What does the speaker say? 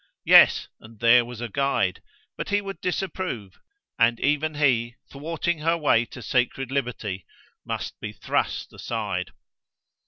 Yes, and there was a guide; but he would disapprove, and even he, thwarting her way to sacred liberty, must be thrust aside.